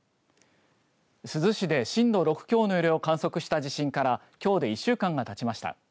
珠洲市で震度６強の揺れを観測した地震からきょうで１週間がたちました。